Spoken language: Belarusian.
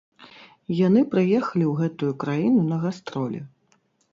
Яны прыехалі ў гэтую краіну на гастролі.